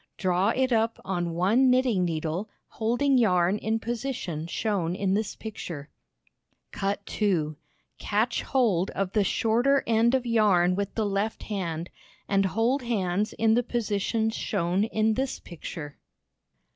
Draw it up on one knitting needle, holding yarn in position shown in this picture. Cut 2 Catch hold of the shorter end of yarn with the left hand, and It ll^B Belied ^^^^ hands in the positions shown in this picture.